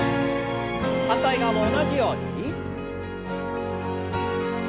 反対側も同じように。